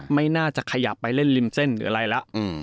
ไม่น่าจะขยับไปเล่นริมเส้นหรืออะไรแล้ว